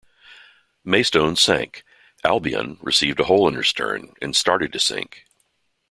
"Maystone" sank, "Albion" received a hole in her stern and started to sink.